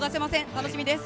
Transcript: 楽しみです。